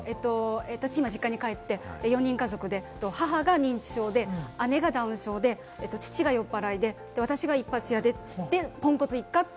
補足で、今、実家に帰って４人家族で母が認知症で、姉がダウン症で、父が酔っぱらいで、私が一発屋で、『ポンコツ一家』って。